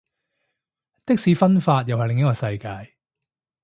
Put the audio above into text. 的士分法又係另一個世界